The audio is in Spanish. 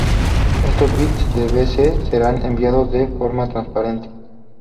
Estos bits de Bc serán enviados de forma transparente.